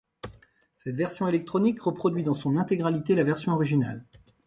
Cette version électronique reproduit dans son intégralité la version originale.